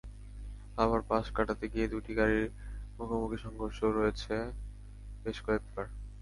আবার পাশ কাটাতে গিয়ে দুটি গাড়ির মুখোমুখি সংঘর্ষও হয়েছে বেশ কয়েকবার।